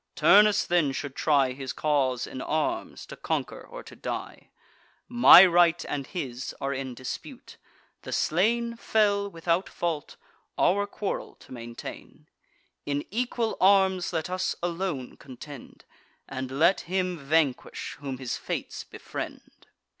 Turnus then should try His cause in arms, to conquer or to die. My right and his are in dispute: the slain Fell without fault, our quarrel to maintain. In equal arms let us alone contend; And let him vanquish, whom his fates befriend.